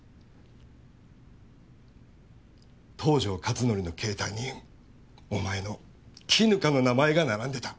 東条克典の携帯にお前の絹香の名前が並んでた。